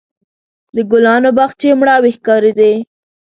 د ګلانو باغچې مړاوې ښکارېدې.